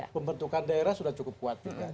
pembentukan daerah sudah cukup kuat juga